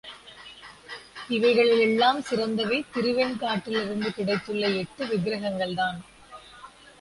இவைகளில் எல்லாம் சிறந்தவை திருவெண்காட்டிலிருந்து கிடைத்துள்ள எட்டு விக்ரகங்கள்தான்.